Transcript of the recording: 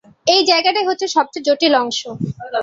এই জায়গাটাই হচ্ছে সবচেয়ে জটিল অংশ।